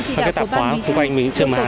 các tạp hóa xung quanh mình cũng chưa mở hàng